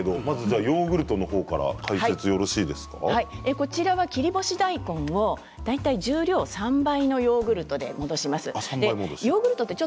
ヨーグルトは切り干し大根の重量３倍のヨーグルトで戻します。